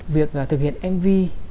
việc thực hiện mv